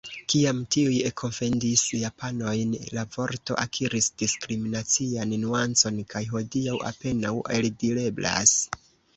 Kiam tiuj ekofendis japanojn, la vorto akiris diskriminacian nuancon kaj hodiaŭ apenaŭ eldireblas.